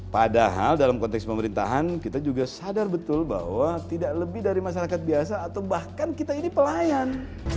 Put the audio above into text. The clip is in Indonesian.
padahal dalam konteks pemerintahan kita juga sadar betul bahwa tidak lebih dari masyarakat biasa atau bahkan kita ini pelayan